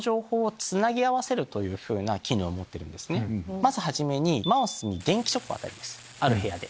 まず初めにマウスに電気ショックを与えますある部屋で。